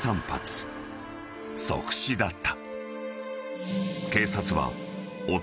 ［即死だった］